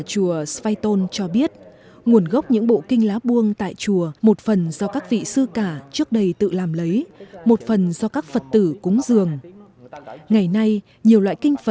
chùa svaytôn tại thị trấn tri tôn huyện tri tôn là nơi còn lưu giữ nhiều bộ kinh lá